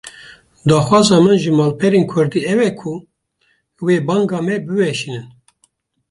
Daxwaza min ji malperên Kurdî ew e ku vê banga me biweşînin